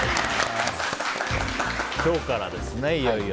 今日からですね、いよいよ。